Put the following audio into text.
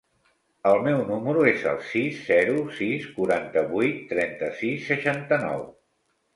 El meu número es el sis, zero, sis, quaranta-vuit, trenta-sis, seixanta-nou.